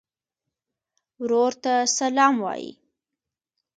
ورور ته سلام وایې.